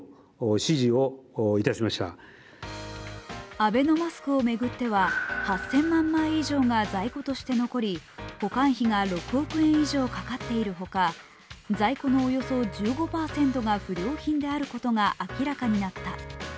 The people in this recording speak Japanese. アベノマスクを巡っては８０００万枚以上が在庫として残り、保管費が６億円以上かかっているほか、在庫のおよそ１５％が不良品であることが明らかになった。